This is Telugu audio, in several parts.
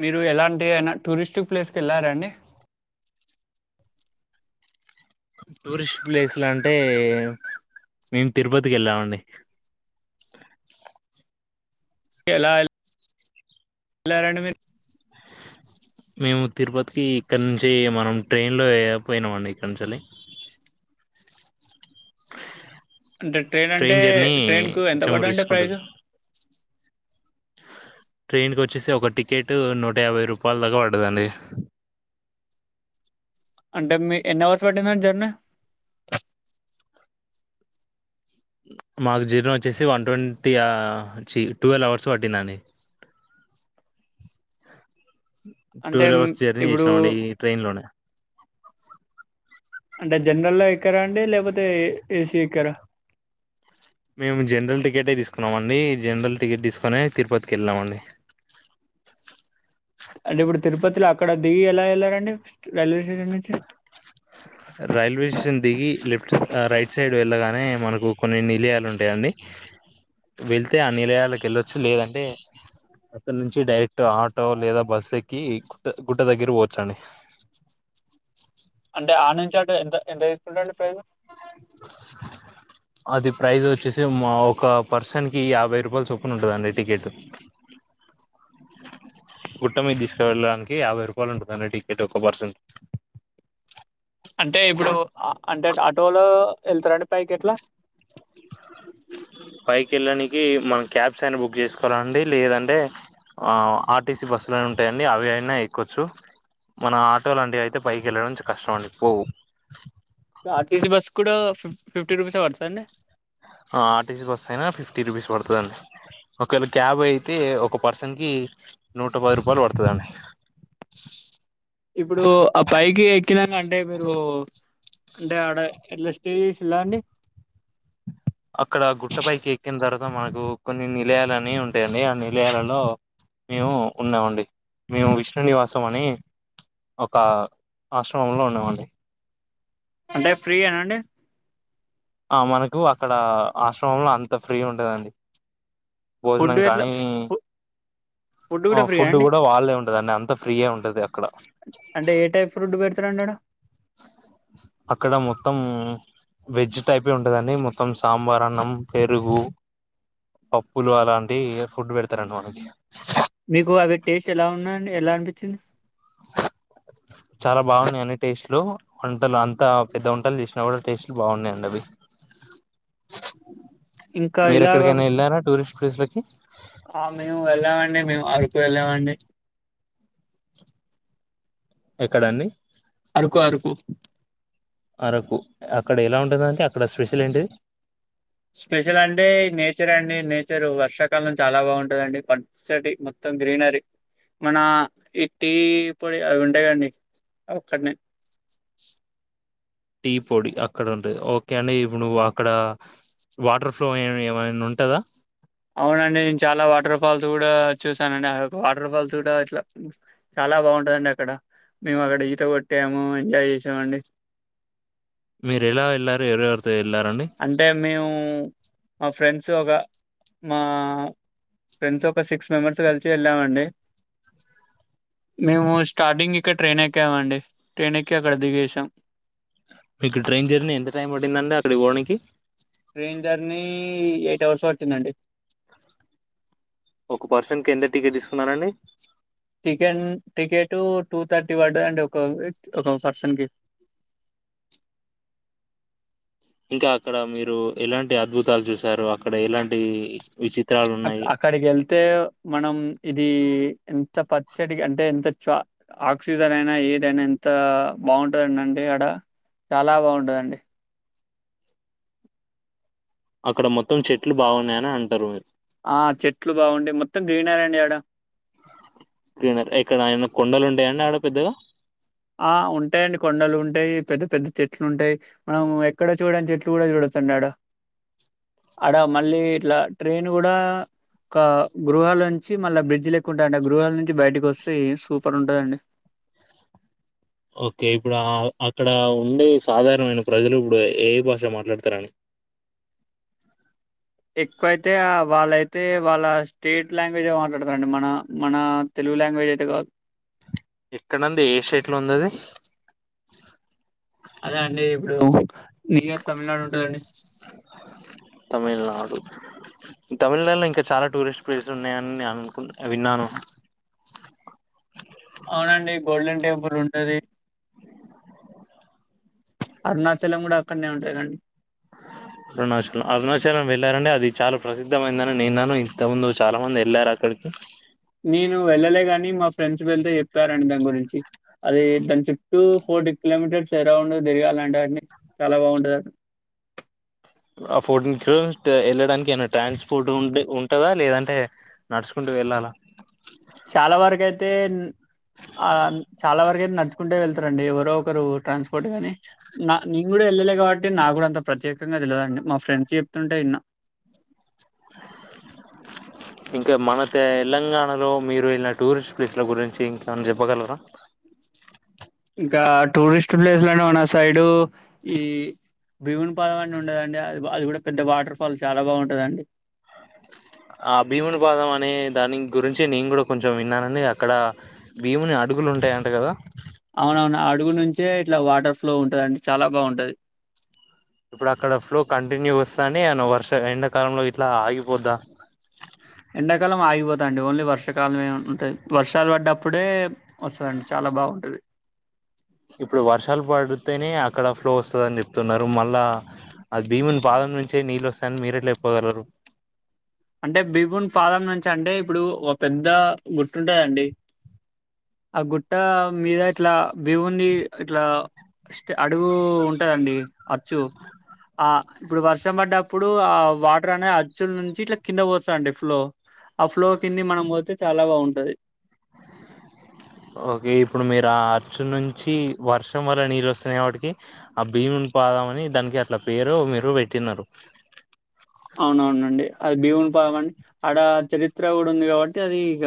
మీరు ఎలాంటి అయినా టూరిస్టు ప్లేస్కి వెళ్ళారాండి టూరిస్ట్ ప్లేస్లు అంటే మేము తిరుపతికి వెళ్ళామండి ఎలా ఎార మేము తిరుపతికి ఇక్కడ నుంచి మనం ట్రైన్లోక పోయినామ అండి ఇక్కడ నుంచిళ్ళి అంటే ట్రైన్ అంటే ట్రైన్ కు ఎంత కొంచెం పడదంటడి ప్రైజ ట్రైన్కి వచ్చేసి ఒక టికెట్ నూట యాభై రూపాయల దా్కా పడుదండి అంటే మీ ఎన్ని వర్స పట్టిందం జర్నీ మాకు జీర్ణం వచ్చేసి వన్ ట్వంటీ ట్వెల్వ్ అవర్స్ పట్టిందండి టూ అంటే వీల్ మ్, అవర్స్ జర్నీ ఇప్పుడు చేసినామండి ఈ ట్రైన్ లోనే అంటే జనరల్ ఎక్కరా అండి లేకపోతే ఏసీ ఎక్కరా మేము జనరల్ టికెట్ే తీసుకున్నామ అండి జనరల్ టికెట్ తీసుకొనే తిరుపతికి వెళ్ళామండి అంటే ఇప్పుడు తిరుపతిలో అక్కడ దిగి ఎలా వెళ్లారంండి రైల్వే స్టేషన్ నుంచి రైల్వే స్టేషన్ దిగి లెఫ్ట్ రైట్ సైడ్ వెళ్ళగానే మనకు కొన్ని నిలయాలు ఉంటాయండి వెళ్తే ఆ నిలయాలకు వెళ్ళొచ్చు లేదంటే అక్కడ నుంచి డైరెక్ట్ ఆటో లేదా బస్సు ఎక్కి గుట్ట గుట్ట దగ్గర పోవచ్చండి అంటే ఆ నుంచి ఆట ఎంత ఎంత తీసుకుంటారండి ప్రయోజనం అది ప్రైజ్ వచ్చేసి మా ఒక పర్సన్ కి యాభై రూపాయలు చొప్పున ఉంటందండి టికెట్ గుట్ట మీద తీసుకు వెళ్ళడానికి యాభై రూపాయలు ఉంటుందండి టికెట్ ఒక పర్సెంట్ అంటే ఇప్పుడు అంటే ఆటోలో వెళ్తారా అండి పైక్ ఎట్లా పైకి వెళ్ళడానికి మనం క్యాబ్స్ అయినా బుక్ చేసుకోవాలండి లేదంటే ఆర్టీసీ బస్సులు ఉంటాయంండి అవి అయినా ఎక్కవచ్చు మన ఆటో లాంటివి అయితే పైకి వెళ్ళడంంచి కష్టం అండి పో ఆర్టీజీ బస్ కూడా ఫిఫ ఫిఫ్టీ రూపీస్ అ పడుతుందిండి ఆర్టీసీకి వస్తాయినా ఫిఫ్టీ రూపీస్ పడుతుందండి ఒకవేళ క్యాబ్ అయితే ఒక పర్సన్కి నూట పది రూపాయలు పడుతుందండి ఇప్పుడు ఆ పైకి ఎక్కినాంగా అంటే మీరు అంటే ఆడ ఎట్లా స్టేజస్ ఇలా అండి అక్కడ గుట్ట పైకి ఎకిందారు మనకు కొన్ని నిలయాలుని ఉంటాయండి ఆ నిలయాలలో మేము ఉన్నామండి మేము విష్ణు నివాసం అని ఒక ఆశ్రమంలో ఉన్నామండి అంటే ఫ్రీ ఏనాండి ఆ మనకు అక్కడ ఆశ్రమంలో అంత ఫ్రీ ఉంటందండి ఫుడ్ భోజనం ఎట్లా కానీ ఫు కూడా ఆ ఫ్రీ ఫుడ్ అండి కూడా వాళ్ే ఉంటదండి అంత ఫ్రీయ ఉంటది అక్కడ ఉత్తరంండడా అక్కడ మొత్తం వెజ్ టైప్ే ఉంటదండి మొత్తం సాంబార్ అన్నం పెరుగు పప్పులు అలాంటి ఫుడ్ పెడతారండి మనకి మీకు అవి టేస్ట్ ఎలా ఉన్నాడి ఎలా అనిపించింది చాలా బాగున్నాయండి టేస్ట్లు వంటలు అంతా పెద్ద వంటలు చేసినా కూడా టేస్ట్లు బాగున్నాయండి అవి ఇంకా మీరు ఇలాగా ఎక్కడికైనా వెళ్ళారా టూరిస్ట్ ప్లేస్లకి ఆ మేము వెళ్ళామండి మేము అరకు వెళ్ళామండి ఎక్కడన్నన్ని కురుకు అరకు అక్కడ ఎలా ఉంటుందండి అక్కడ స్పెషల్ ఏంటి స్పెషల్ అంటే నేచర్ అండి నేచరు వర్షాకాలం చాలా బాగుంటదండి పసటి మొత్తం గ్రీనరీ మన ఈ టీ పొడి అవి ఉండేయంండి ఒక్కడనే టీ పొడి అక్కడ ఉంటది ఓకే అండి ఇప్పుడు నువ్ అక్కడ వాటర్ ఫ్లో ఏమైనా ఉంటందా అవునండి నేను చాలా వాటర్ ఫాల్స్ కూడా చూశానండి వాటర్ ఫాల్స్ కూడా ఇట్లా చాలా బాగుంటుందండి అక్కడ మేము అక్కడ ఈత కొట్టాము ఎంజాయ్ చేసామండి మీరు ఎలా వెళ్ళారు ఎవరెవరితో వెళ్ళారండి అంటే మేము మా ఫ్రెండ్స్ ఒక మా ఫ్రెండ్స్ ఒక సిక్స్ మెంబెర్స్ కలిసి వెళ్ళామండి మేము స్టార్టింగ్ ఇక్కడ ట్రైన్ ఎక్కామండి ట్రైన్ ఎక్కి అక్కడ దిగసాం మీకు ట్రైన్ జర్నీ ఎంత టైం పడిందండి అక్కడికి పోవడానికి ట్రైన్ జర్నీ ఎయిట్ అవర్స్ వచ్చిందండి ఒక పర్సన్ కి ఎన్ని టికెట్ తీసుకున్నారంండి టికెన్ టికెట్ టూ థర్టీ పడ్ంది అండి ఒక ఒక పర్సన్ కి ఇంకా అక్కడ మీరు ఎలాంటి అద్భుతాలు చూశారు అక్కడ ఎలాంటి విచిత్ర అ అక్కడికి వెళ్తే మనం ఇది ఎంత పచ్చడి అంటే ఎంత చ ఆక్సిజన్ అయినా ఏదైనా ఎంత బాగుంటందం అండి అక్కడ చాలా బాగుంటందండి అక్కడ మొత్తం చెట్లు బాగున్నాయని అంటారు మీరు ఆ చెట్లు బాగుండి మొత్తం గ్రీనరీ అండి ఆడ క్రీనర్ ఇక్కడ ఆయన కొండలు ఉండాయంండి ఆడ పెద్దగా ఆ ఉంటాయంండి కొండలు ఉంటాయి పెద్ద పెద్ద చెట్లు ఉంటాయి మనం ఎక్కడ చూడని చెట్లు కూడా చూడొచండి అడ అడ మళ్ళీ ఇట్లా ట్రైన్ కూడా ఒక గృహాల నుంచి మళ్ళా బ్రిడ్జ్ లెక్కుంటా గృహాల నుంచి బయటకి వస్తే సూపర్ ఉంటుందండి ఓకే ఇప్పుడు అక్కడ ఉండే సాధారణమైన ప్రజలు ఇప్పుడు ఏ భాష మాట్లాడతారని ఎక్కువైతే వాళ్ళైతే వాళ్ళ స్టేట్ లాంగ్వేజ్ మాట్లాడతారంండి మన మన తెలుగు లాంగ్వేజ్ అయితే కాదు ఎక్కడంది ఏ సైట్ లో ఉందిది అదే అండి ఇప్పుడు న్యూయర్ తమిళనాడు ఉంటుందండి తమిళనాడు తమిళనాడులో ఇంకా చాలా టూరిస్ట్ ప్లేసెస్ ఉన్నాయని నేను అనుకుంటే విన్నాను అవునండి గోల్డెన్ టెంపుల్ డు ఉంటది అరుణాచలం కూడా అక్కడనే ఉంటదండి అరుణాచలం అరుణాచలం వెళ్ళారండి అది చాలా ప్రసిద్ధమైందని నిన్నాను ఇంతముందు చాలా మంది వెళ్ళారు అక్కడికి నేను వెళ్ళలే కాని మా ఫ్రెండ్స్ వెళ్తే చెప్పారంండి దాని గురించి అది దాని చుూ ఫోర్టీ కిలోమీటర్స్ అరౌండ్ తిరగాలంటే అని చాలా బాగుంటంది ఆ ఫోర్టీన్ కిలోమీటర్ వెళ్ళడానికి ఏన్న ట్రాన్స్పోర్ట్ ఉ ఉంటదా లేదంటే నడుచుకుంటూ వెళ్ళాలా చాలా వరకు అయితే తే ఆ చాలా వరకు అయితే నడుచుకుంటే వెళ్తు రండి ఎవరో ఒకరు ట్రాన్స్పోర్ట్ గానీ నా నేను కూడా వెళ్ళలే కాబట్టి నా కూడా అంత ప్రత్యేకంగా తెలవ దండి మా ఫ్రెండ్స్ చెప్తుంటే ఇన్న ఇంకా మన తె తెలంగాణలో మీరు వెళ్ళ టూరిస్ట్ ప్లేస్ల గురించి ఇంకా చెప్పగలరా ఇంకా టూరిస్ట్ ప్లేస్లు లు అంటే మన సైడు ఈ భీవుని పదం అనే ఉండదండి అది అది కూడా పెద్ద వాటర్ ఫాల్ చాలా బాగుంటదండి ఆ భీముని పాదం అనే దాని గురించి నేను కూడా కొంచెం విన్నానండి అక్కడ భీముని అడుగులు ఉంటాయంట కదా అవునవును అడుగు నుంచే ఇట్లా వాటర్ ఫ్లో ఉంటుందిండి చాలా బాగుంటది ఇప్పుడు అక్కడ ఫ్లో కంటిన్యూ వస్తాడి అను వర్ష ఎండాకాలంలో ఇట్లా ఆగిపోద్దా ఎండాకాలం ఆగిపోతుండి ఓన్లీ వర్షాకాలం ఏ ఉంటుంది వర్షాలు పడ్డప్పుడే వస్తుందండి చాలా బాగుంటుది ఇప్పుడు వర్షాలు పడితేనే అక్కడ ఫ్లో వస్తుందని చెప్తున్నారు మళ్ళా అది భీముని పాదం నుంచే నీళ్ళు వస్తాయని మీరట్లు చెప్పుగలరు అంటే భీభూన్ పాదం నుంచి అంటే ఇప్పుడు ఒక పెద్ద గుట్తుంటదండి ఆ గుట్ట మీద ఇట్లా బివుంది ఇట్లా అడుగు ఉంటదండి అచ్చు ఆ ఇప్పుడు వర్షం పడ్డప్పుడు ఆ వాటర్ అనేది అచ్చుల నుంచి ఇట్లా కింద పోతుందిండి ఫ్లో ఆ ఫ్లో కింది మనం పోతే చాలా బాగుంటది ఓకే ఇప్పుడు మీరు ఆ అర్చు నుంచి వర్షం వల్ల నీళ్లు వస్తున్నాయి కాబట్టి కి ఆ భీముని పాదామని దానికి అట్ల పేరు మీరు పెట్టినారు అవునవునండి అది భీవుని పాదం అని ఆడ చరిత్ర కూడా ఉంది కాబట్టి అది ఇక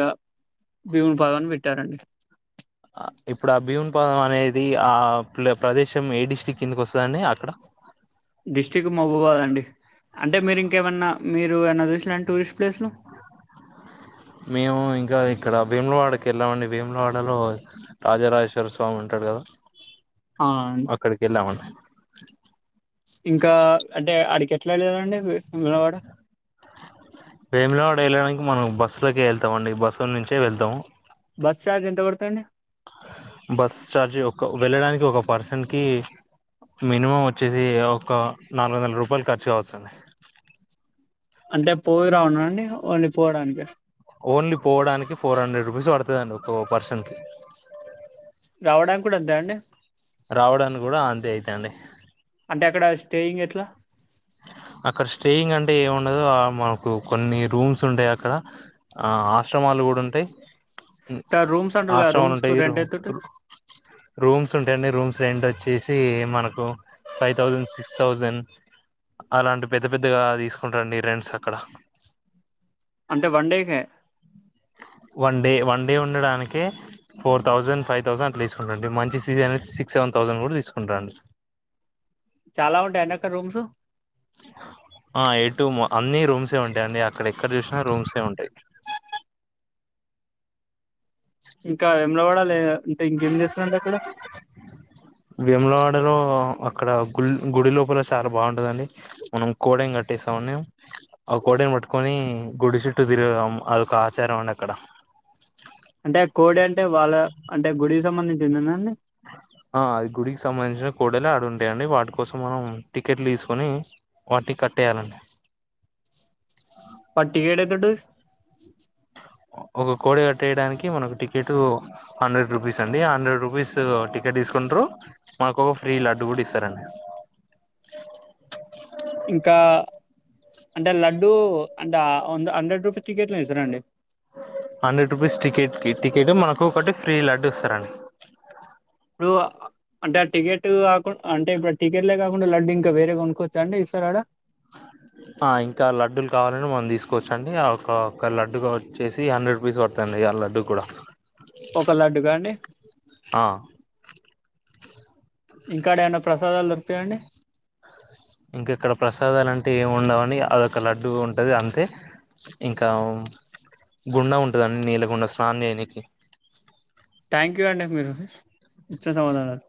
భీవుని పాదం అని పెట్టారండి ఇప్పుడు ఆ భీమున్ పాదం అనేది ఆ ప్రదేశం ఏ డిస్ట్రిక్ట్ కిందకి వస్తుందండి అక్కడ డిస్ట్రిక్ట్ మహబూబాద్ అండి అంటే మీరు ఇంకేమైన్నా మీరు ఏన్న చూసు టూరిస్ట్ ప్లేస్లు మేము ఇంకా ఇక్కడ భీములవాడకి వెళ్ళామండి భీములవాడలో రాజరాజేశ్వర స్వామి ఉంటాడు కదా అవునండి అక్కడికి వెళ్ళామండి ఇంకా అంటే అడికి ఎట్లా వెళ్దండివాడ వేములావాడ వెళ్ళడానికి మనం బస్సులోకి వెళ్తామ అండి బస్సు నుంచే వెళ్తాము బస్ చార్జ్ ఎంత పడుతాండి బస్ చార్జ్ ఒక వెళ్ళడానికి ఒక పర్సెంట్ కి మినిమం వచ్చేది ఒక నాలుగు వందల రూపాయలు ఖర్చుగా వస్తుంది అంటే పోయి రావున్నాండి వా ఓన్లీ పోవడానికా ఓన్లీ పోవడానికి ఫోర్ హండ్రెడ్ రూపీస్ పడుతుందిండి ఒక్కో పర్సన్ కి రావడానికి కూడా అంతే అండి రావడానికి కూడా అంతే అయిత అండి అంటే అక్కడ స్టేయింగ్ ఎట్లా అక్కడ స్టేయింగ్ అంటే ఏమి ఉండదు మనకు కొన్ని రూమ్స్ ఉంటాయి అక్కడ ఆ ఆశ్రమాలు కూడా ఉంటాయి ట రూమ్స్ అంటూ లే ఆశ్రమాలు రూమ్స్ కు ఉంటాయి రూ రెంట్ అయితు రూమ్స్ ఉంటాయంండి రూమ్స్ రెంట్ వచ్చేసి మనకు ఫైవ్ థౌజండ్ సిక్స్ థౌసండ్ అలాంటి పెద్ద పెద్దగా తీసుకుంటారంండి ర్రెండ్స్ అక్కడ అంటే వన్ డేకే వన్ డే వన్ డే ఉండడానికిే ఫోర్ థౌసండ్ ఫైవ్ థౌసండ్ అట్లా తీసుకుంటాండి మంచి సీజీ అనేది సిక్స్ సెవెన్ థౌసండ్ కూడా తీసుకుంటాండి చాలా ఉంటాయా అండి అక్కడ రూమ్స్ ఆ ఎ టూ అన్ని రూమ్సే ఉంటాయి అండి అక్కడ ఎక్కడ చూసినా రూమ్సే ఉంటాయి ఇంకా మూల వాడాలే ఇంకేం చేస్తుాడి అండి అక్కడ లో అక్కడ గు గుడి లోపల చాలా బాగుంటదండి మనం కోడని కట్టేస్తామున్నా ఆ కోడని పట్టుకొని గుడి చుట్టూ తిరగేం అదొక ఆచారం అండి అక్కడ అంటే ఆ కోడి అంటే వాళ్ళ అంటే గుడికి సంబంధించిందిదేనా అండి ఆ అది గుడికి సంబంధించిన కూడలు ఆడు ఉంటాయండి వాటి కోసం మనం టికెట్లు తీసుకొని వాటి కట్ వేయాలండి పట్టికేడయితుడు ఒక కోడి కట్టేయడానికి మనకు టికెట్ హండ్రెడ్ రూపీస్ అండి హండ్రెడ్ రూపీస్ టికెట్ తీసుకుంటారు మనకు ఒక ఫ్రీ లడ్డు కూడా ఇస్తారండి ఇంకా అంటే లడ్డూ అంటే హండ్రెడ్ రూపీస్ టిక్కెట్లు ఇస్తార అండి హండ్రెడ్ రూపీస్ టికెట్ టికెట్ మనకు ఒకటి ఫీ లడ్డు ఇస్తారండి ఇప్పుడు అంటే ఆ టికెట్ కాకుండా అంటే ఇప్పుడు టికెట్లే కాకుండా లడ్డ ఇంకా వేరేగా కొనుకోవచ్చా అండి ఇస్తారడ ఇంకా లడ్డుూలు కావాలని మనం తీసుకోవచ్చండి ఒకక్క లడ్డు వచ్చేసి హండ్రెడ్ రూపీస్ పడుతుండి ఆ లడ్డుూ కూడా ఒక లడ్డుకా అండి ఆ ఇంకాడ ఏమన్న ప్రసాదాలు దొరుకుతాయండి ఇంకా ఇక్కడ ప్రసాదాలు అంటే ఏమి ఉండవుంని అదొక లడ్డు ఉంటది అంతే ఇంకా గుండె ఉంటందండి నీళ్ళ గుండె స్నానం చేయడానికి థ్యాంక్ యూ అండి మీరు ఇచ్చిన సమాధానాలు